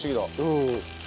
うん。